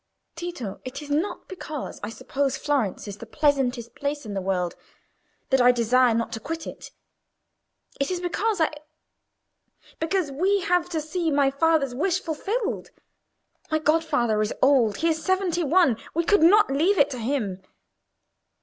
"Tito, it is not because I suppose Florence is the pleasantest place in the world that I desire not to quit it. It is because I—because we have to see my father's wish fulfilled. My godfather is old; he is seventy one; we could not leave it to him."